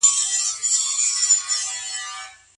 خوب بېځایه نه کېږي.